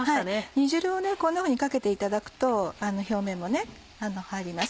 煮汁をこんなふうにかけていただくと表面も入ります。